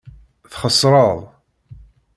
Txeṣreḍ.